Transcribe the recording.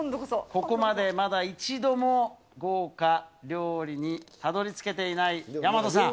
ここまでまだ一度も豪華料理にたどりつけていない大和さん。